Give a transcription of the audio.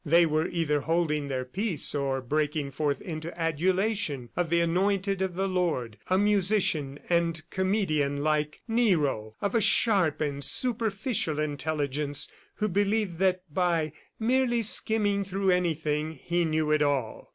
They were either holding their peace, or breaking forth into adulation of the anointed of the Lord a musician and comedian like Nero, of a sharp and superficial intelligence, who believed that by merely skimming through anything he knew it all.